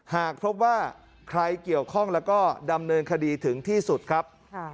หากพบว่าใครเกี่ยวข้องแล้วก็ดำเนินคดีถึงที่สุดครับ